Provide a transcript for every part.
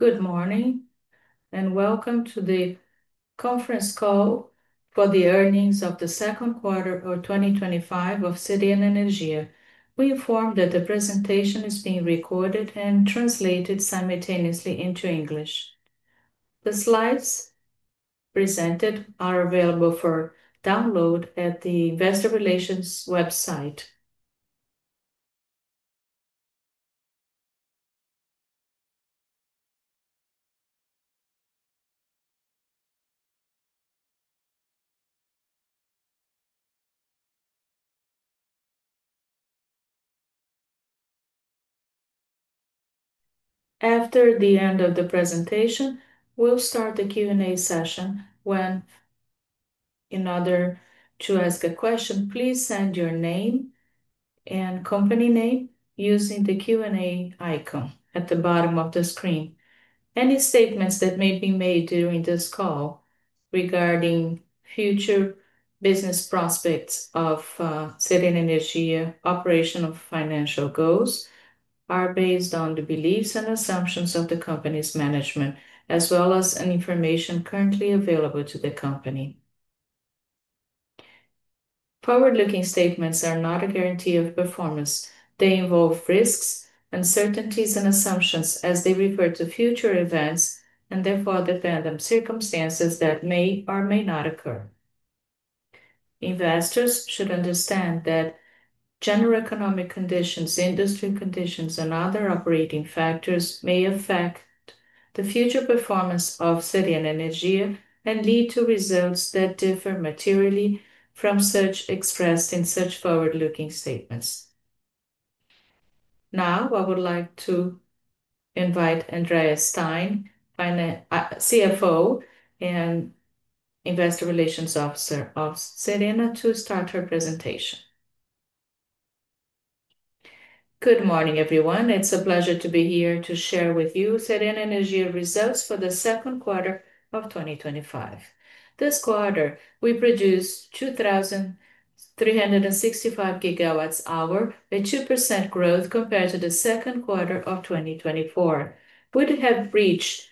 Good morning and welcome to the Conference Call For The Earnings Of The Second Quarter For 2025 of Serena Energia. We inform that the presentation is being recorded and translated simultaneously into English. The slides presented are available for download at the Investor Relations website. After the end of the presentation, we'll start the Q&A session. In order to ask a question, please send your name and company name using the Q&A icon at the bottom of the screen. Any statements that may be made during this call regarding future business prospects of Serena Energia, operational, financial goals are based on the beliefs and assumptions of the company's management, as well as information currently available to the company. Forward-looking statements are not a guarantee of performance. They involve risks, uncertainties, and assumptions as they refer to future events and therefore the tandem circumstances that may or may not occur. Investors should understand that general economic conditions, industry conditions, and other operating factors may affect the future performance of Serena Energia and lead to results that differ materially from those expressed in such forward-looking statements. Now, I would like to invite Andrea Sztajn, CFO and Investor Relations Officer of Serena, to start her presentation. Good morning, everyone. It's a pleasure to be here to share with you Serena Energia Results For The Second Quarter Of 2025. This quarter, we produced 2,365 GWh, a 2% growth compared to the second quarter of 2024. We would have reached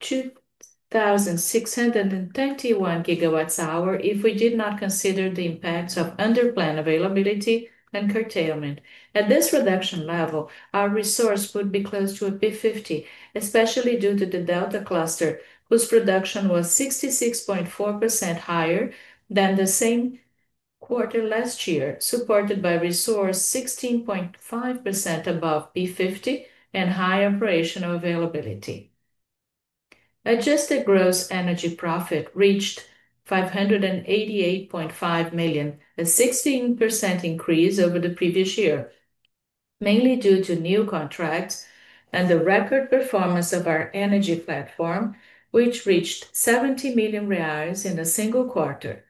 2,621 GWh if we did not consider the impacts of underplan availability and curtailment. At this reduction level, our resource would be close to a P50, especially due to the Delta cluster whose production was 66.4% higher than the same quarter last year, supported by resource 16.5% above P50 and high operational availability. Adjusted gross energy profit reached R$588.5 million, a 16% increase over the previous year, mainly due to new contracts and the record performance of our energy platform, which reached R$70 million in a single quarter.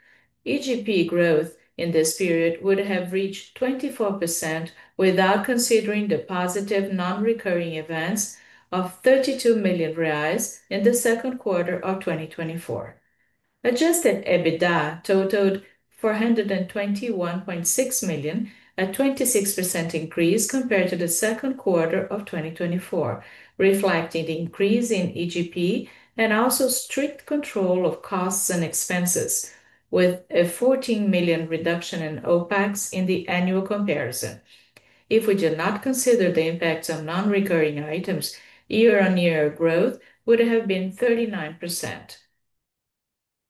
EGP growth in this period would have reached 24% without considering the positive non-recurring events of R$32 million in the second quarter of 2024. Adjusted EBITDA totaled R$421.6 million, a 26% increase compared to the second quarter of 2024, reflecting the increase in EGP and also strict control of costs and expenses, with a R$14 million reduction in OpEx in the annual comparison. If we do not consider the impacts on non-recurring items, year-on-year growth would have been 39%.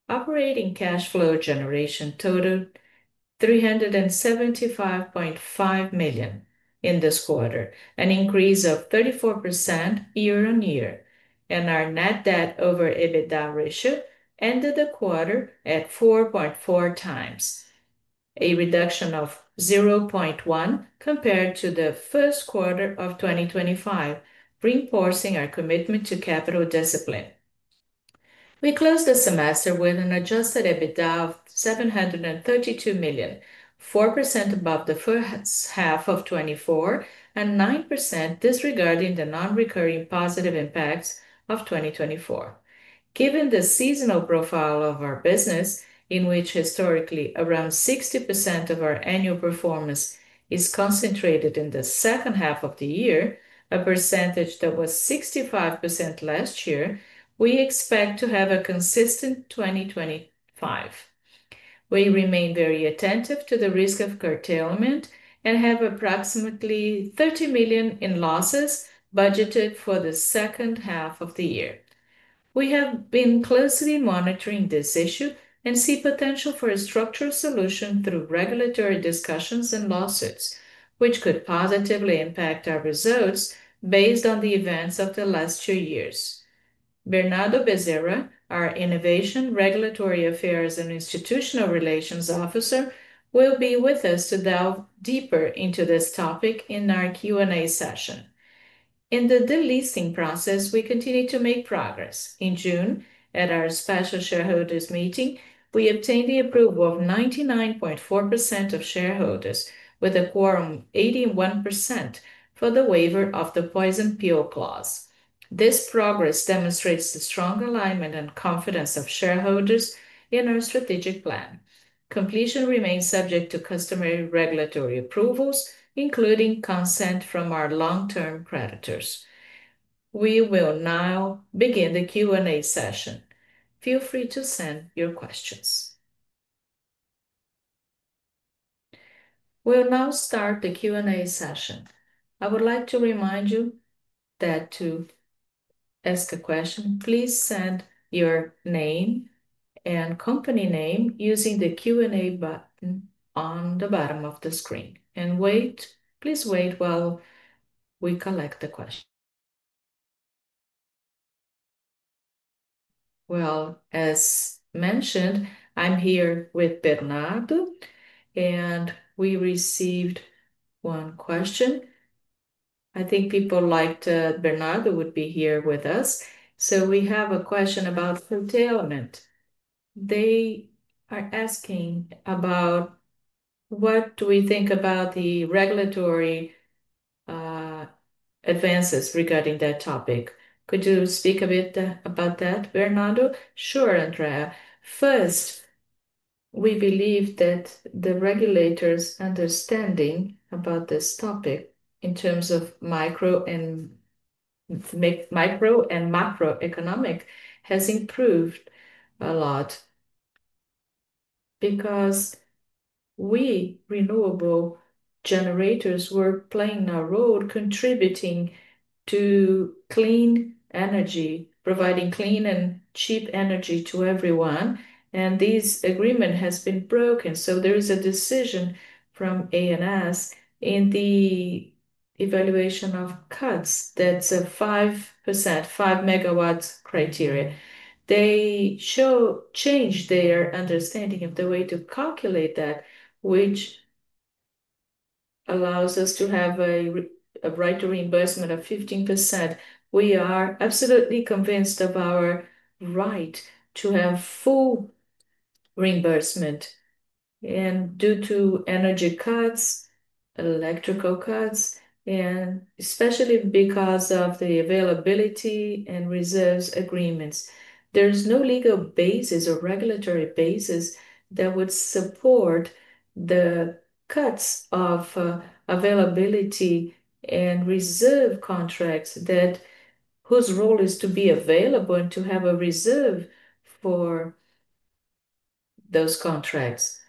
Operating cash flow generation totaled R$375.5 million in this quarter, an increase of 34% year-on-year, and our net debt/EBITDA ratio ended the quarter at 4.4x, a reduction of 0.1% compared to the first quarter of 2025, reinforcing our commitment to capital discipline. We closed the semester with an adjusted EBITDA of R$732 million, 4% above the first-half of 2024, and 9% disregarding the non-recurring positive impacts of 2024. Given the seasonal business profile of our business, in which historically around 60% of our annual performance is concentrated in the second half of the year, a percentage that was 65% last year, we expect to have a consistent 2025. We remain very attentive to the risk of curtailment and have approximately R$30 million in losses budgeted for the second half of the year. We have been closely monitoring this issue and see potential for a structured solution through regulatory discussions and lawsuits, which could positively impact our results based on the events of the last two years. Bernardo Bezerra, our Innovation, Regulatory Affairs, and Institutional Relations Officer, will be with us to delve deeper into this topic in our Q&A session. In the delisting process, we continue to make progress. In June, at our special shareholders' meeting, we obtained the approval of 99.4% of shareholders, with a quorum of 81% for the waiver of the Poison Pill clause. This progress demonstrates the strong alignment and confidence of shareholders in our strategic plan. Completion remains subject to customary regulatory approvals, including consent from our long-term creditors. We will now begin the Q&A session. Feel free to send your questions. We'll now start the Q&A session. I would like to remind you that to ask the question, please send your name and company name using the Q&A button on the bottom of the screen. Please wait while we collect the question. As mentioned, I'm here with Bernardo, and we received one question. I think people liked that Bernardo would be here with us. We have a question about curtailment; they are asking about what do we think about the regulatory advances regarding that topic. Could you speak a bit about that, Bernardo? Sure, Andrea. First, we believe that the regulator's understanding about this topic in terms of micro and macroeconomics has improved a lot because we renewable generators were playing a role contributing to clean energy, providing clean and cheap energy to everyone. This agreement has been broken. There is a decision from ONS in the evaluation of cuts that's a 5%, 5 MW criteria. They should change their understanding of the way to calculate that, which allows us to have a right to reimbursement of 15%. We are absolutely convinced of our right to have full reimbursement. Due to energy cuts, electrical cuts, and especially because of the availability and reserve agreements, there's no legal basis or regulatory basis that would support the cuts of availability and reserve contracts whose role is to be available and to have a reserve for those contracts.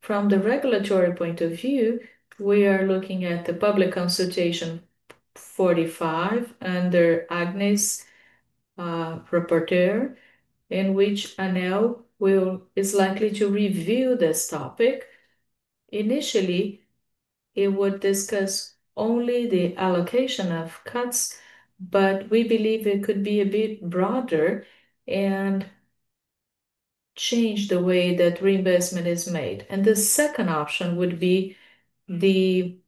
From the regulatory point of view, we are looking at the public consultation 45 under ANEEL's property, in which ANEEL is likely to review this topic. Initially, it would discuss only the allocation of cuts, but we believe it could be a bit broader and change the way that reimbursement is made. The second option would be the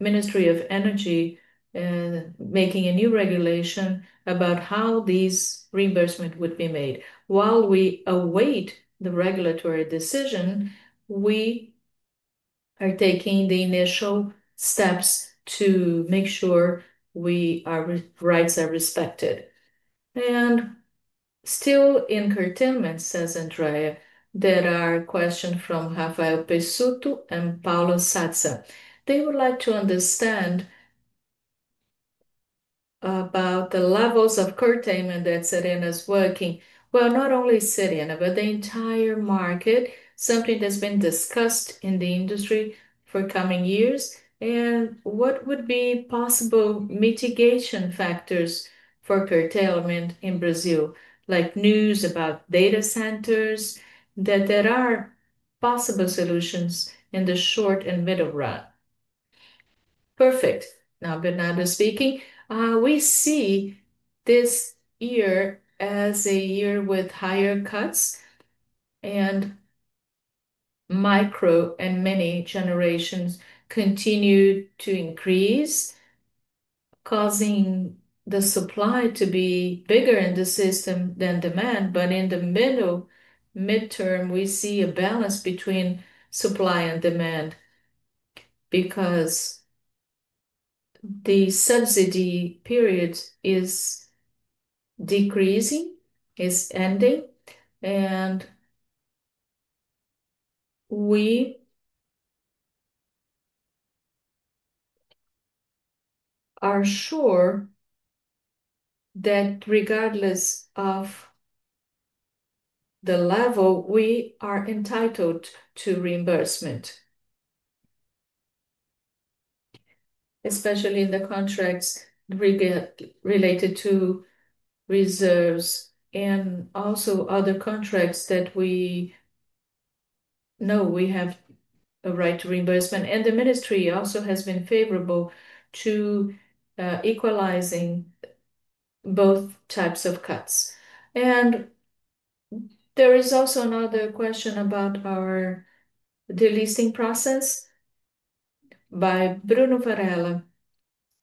Ministry of Energy making a new regulation about how this reimbursement would be made. While we await the regulatory decision, we are taking the initial steps to make sure our rights are respected. Still in curtailment, says Andrea, there are questions from Rafael Pezzuto and Paolo Sazza. They would like to understand about the levels of curtailment that Serena is working with, not only Serena, but the entire market, something that's been discussed in the industry for coming years, and what would be possible mitigation factors for curtailment in Brazil, like news about data centers, that there are possible solutions in the short and middle run. Perfect. Now, Bernardo speaking. We see this year as a year with higher cuts, and micro and many generations continue to increase, causing the supply to be bigger in the system than demand. In the midterm, we see a balance between supply and demand because the subsidy period is decreasing, is ending, and we are sure that regardless of the level, we are entitled to reimbursement, especially in the contracts related to reserves and also other contracts that we know we have a right to reimbursement. The ministry also has been favorable to equalizing both types of cuts. There is also another question about our delisting process by Bruno Varela,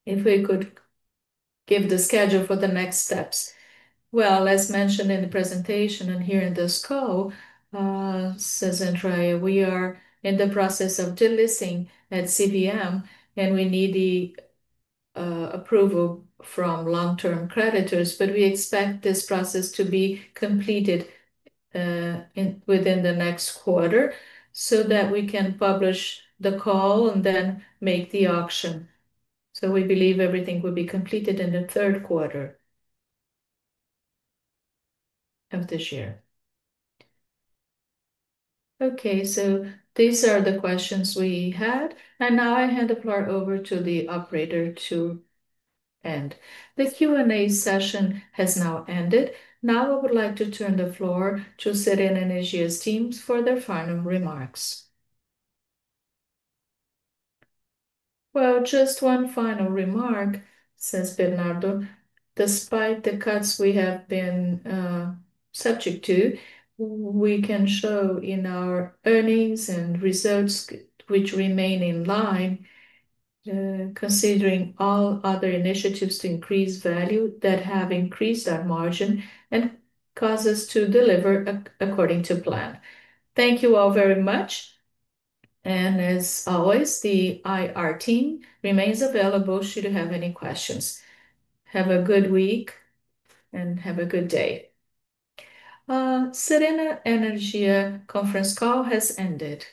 if we could give the schedule for the next steps. As mentioned in the presentation and here in this call, says Andrea, we are in the process of delisting at CVM, and we need the approval from long-term creditors. We expect this process to be completed within the next quarter so that we can publish the call and then make the auction. We believe everything will be completed in the third quarter of this year. These are the questions we had. I hand the floor over to the operator to end. The Q&A session has now ended. I would like to turn the floor to Serena Energia S.A.'s teams for their final remarks. Just one final remark, says Bernardo. Despite the cuts we have been subject to, we can show in our earnings and reserves, which remain in line, considering all other initiatives to increase value that have increased our margin and cause us to deliver according to plan. Thank you all very much. As always, the IR team remains available should you have any questions. Have a good week and have a good day. Serena Energia conference call has ended.